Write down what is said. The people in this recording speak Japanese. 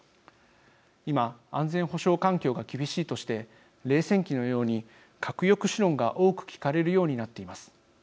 今、安全保障環境が厳しいとして冷戦期のように核抑止論が多く聞かれるようになっています。